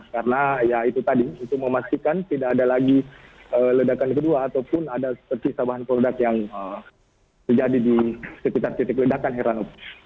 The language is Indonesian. karena ya itu tadi itu memastikan tidak ada lagi ledakan kedua ataupun ada seterisabahan polda yang terjadi di sekitar titik ledakan herlan